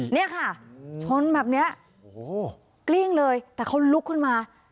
นี่ค่ะชนแบบเนี้ยกลิ้งเลยแต่เขาลุกขึ้นมา